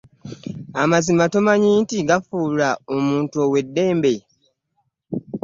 Amazima tomanyi nti gafuula omuntu ow'eddembe?